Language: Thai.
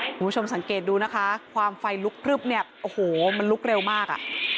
คุณผู้ชมสังเกตดูนะคะความไฟลุกพลึบเนี่ยโอ้โหมันลุกเร็วมากอ่ะ